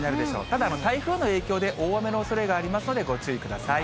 ただ、台風の影響で大雨のおそれがありますのでご注意ください。